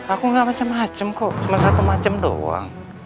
aku gak macem macem kok cuma satu macem doang